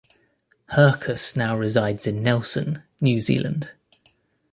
Hercus now resides in Nelson, New Zealand.